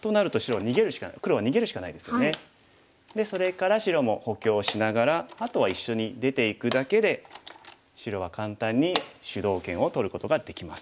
でそれから白も補強しながらあとは一緒に出ていくだけで白は簡単に主導権を取ることができます。